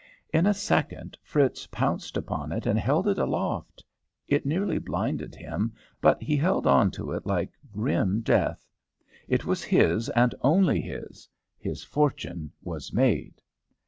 In a second Fritz pounced upon it and held it aloft. It nearly blinded him, but he held on to it like grim death. It was his, and only his. His fortune was made.